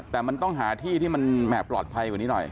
แต่มันต้องหาที่ที่มันแห่ปลอดภัยกว่านี้หน่อย